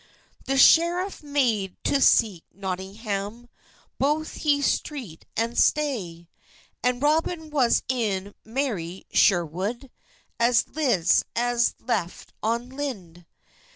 The scheref made to seke Notyngham, Bothe be strete and stye, And Robyn was in mery Scherwode As lizt as lef on lynde.